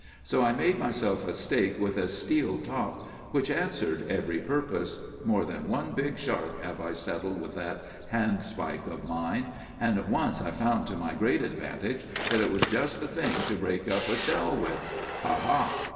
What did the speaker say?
So I made myself a stake with a steel top, which answered every purpose. More than one big shark have I settled with that handspike of mine; and once I found, to my great advantage, that it was just the thing to break up a shell with.' "'Ha, ha!